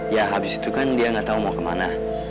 ya abis itu kan dia gak tau mau kemana